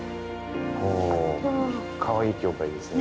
おおかわいい教会ですね。